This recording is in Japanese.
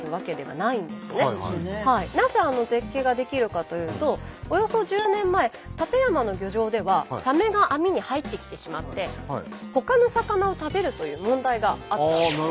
なぜあの絶景が出来るかというとおよそ１０年前館山の漁場ではサメが網に入ってきてしまってほかの魚を食べるという問題があったんです。